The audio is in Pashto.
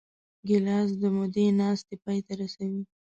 ګیلاس د مودې ناستې پای ته رسوي.